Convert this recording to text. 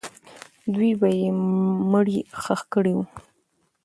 دوی به یې مړی ښخ کړی وو.